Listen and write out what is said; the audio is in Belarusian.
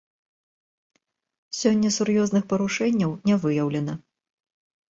Сёння сур'ёзных парушэнняў не выяўлена.